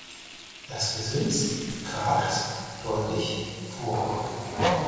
Das Gesims kragt deutlich vor.